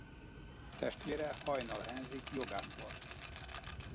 Testvére Hajnal Henrik jogász volt.